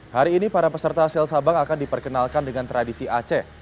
hari ini para peserta sel sabang akan diperkenalkan dengan tradisi aceh